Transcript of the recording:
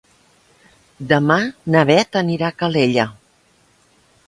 Demà na Beth anirà a Calella.